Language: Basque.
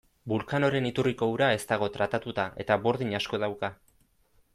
Vulcanoren iturriko ura ez dago tratatuta, eta burdin asko dauka.